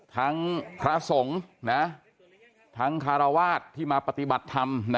พระสงฆ์ทั้งคารวาสที่มาปฏิบัติธรรม